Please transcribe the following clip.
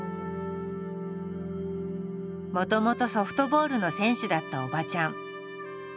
もともとソフトボールの選手だったおばちゃん。